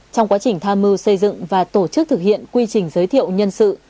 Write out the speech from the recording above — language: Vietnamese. trong quá trình tham mưu xây dựng và tổ chức thực hiện quy trình giới thiệu nhân sự